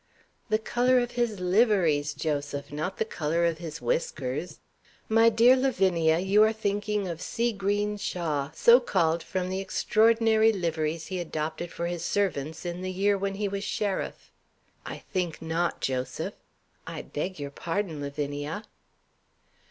'" "The color of his liveries, Joseph, not the color of his whiskers." "My dear Lavinia, you are thinking of 'Sea green Shaw,' so called from the extraordinary liveries he adopted for his servants in the year when he was sheriff." "I think not, Joseph." "I beg your pardon, Lavinia."